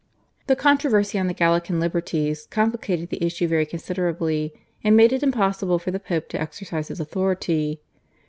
The controversy on the Gallican Liberties complicated the issue very considerably, and made it impossible for the Pope to exercise his authority.